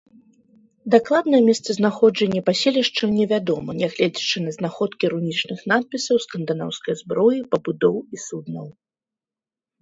Дакладнае месцазнаходжанне паселішчаў невядома, нягледзячы на знаходкі рунічных надпісаў, скандынаўскай зброі, пабудоў і суднаў.